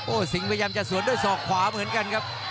สิงห์พยายามจะสวนด้วยศอกขวาเหมือนกันครับ